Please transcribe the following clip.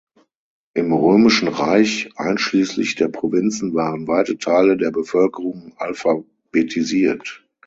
Im Römischen Reich einschließlich der Provinzen waren weite Teile der Bevölkerung alphabetisiert.